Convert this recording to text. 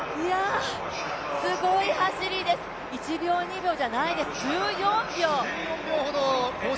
すごい走りです、１秒、２秒じゃないです、１４秒！